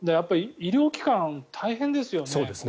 医療機関、大変ですよね。